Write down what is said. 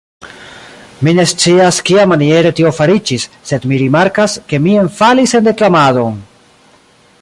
Mi ne scias, kiamaniere tio fariĝis, sed mi rimarkas, ke mi enfalis en deklamadon!